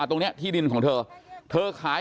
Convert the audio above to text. ตรงนี้ที่ดินของเธอเธอขาย